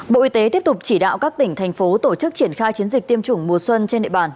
bộ y tế tiếp tục chỉ đạo các tỉnh thành phố tổ chức triển khai chiến dịch tiêm chủng mùa xuân trên địa bàn